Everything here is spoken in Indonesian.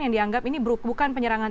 yang dianggap ini bukan penyerangan